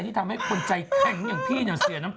เท่านั้นแหละ